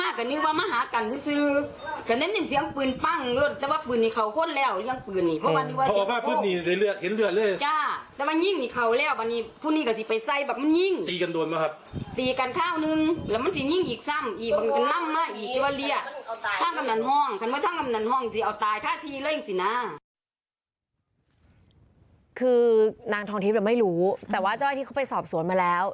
คือนางทองทิพย์ไม่รู้แต่ว่าเจ้าหน้าที่เขาไปสอบสวนมาแล้ว